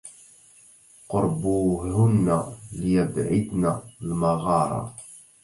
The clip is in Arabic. قربوهن ليبعدن المغارا